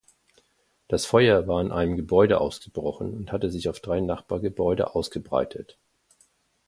Das Feuer war in einem Gebäude ausgebrochen und hatte sich auf drei Nachbargebäude ausgebreitet.